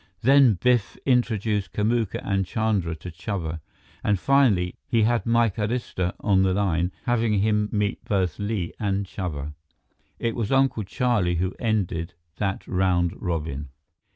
Then Biff introduced Kamuka and Chandra to Chuba; and finally, he had Mike Arista on the line, having him meet both Li and Chuba. It was Uncle Charlie who ended that round robin.